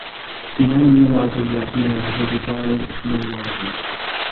He then realizes that he has the desire no longer.